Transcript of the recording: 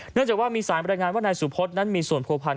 จากว่ามีสารบรรยายงานว่านายสุพธนั้นมีส่วนผัวพันธ